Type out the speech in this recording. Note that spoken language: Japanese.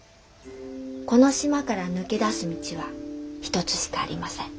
『この島から抜け出す道は一つしかありません。